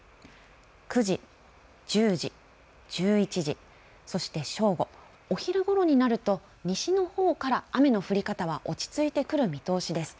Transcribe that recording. ９時、１０時１１時、そして正午お昼ごろになると西の方から雨の降り方は落ち着いてくる見通しです。